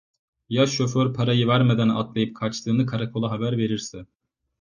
Ya şoför parayı vermeden atlayıp kaçtığını karakola haber verirse?